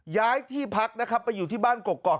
ย้ายที่พักนะครับไปอยู่ที่บ้านกกอก